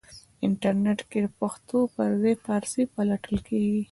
انټرنېټ کې پښتو پرځای فارسی پلټل کېږي.